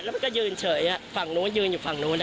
แล้วมันก็ยืนเฉยฝั่งนู้นยืนอยู่ฝั่งนู้น